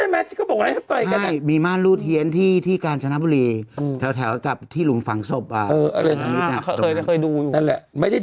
มาอาทิศหิคนอื่นก็ไปแล้วเนี่ย